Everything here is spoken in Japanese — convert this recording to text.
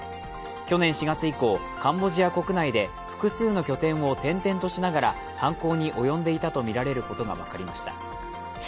去年４月以降、カンボジア国内で複数の拠点を転々としながら犯行に及んでいたとみられることが分かりました。